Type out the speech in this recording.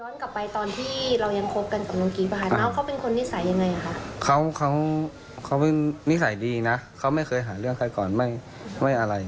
แล้วที่เมื่อกี้ออกมาบอกว่าน้องเค้าเล่นยาหรืออะไรด้วย